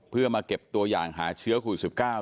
เพื่อมาเก็บตัวอย่างหาเชื้อคู่สิบเก้า